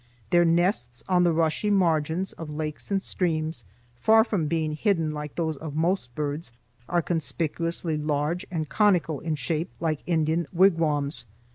Their nests on the rushy margins of lakes and streams, far from being hidden like those of most birds, are conspicuously large, and conical in shape like Indian wigwams.